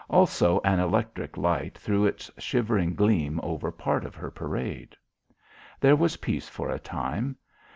Also an electric light threw its shivering gleam over part of her parade. There was peace for a time.